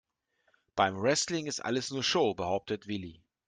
Beim Wrestling ist alles nur Show, behauptet Willi.